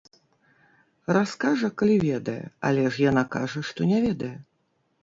Раскажа, калі ведае, але ж яна кажа, што не ведае.